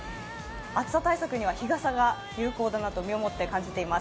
暑さ対策には日傘が有効だなと身をもって感じています。